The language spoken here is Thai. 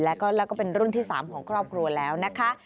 แล้วก็เป็นรุ่นที่๓ของครอบครัวแล้วนะคะ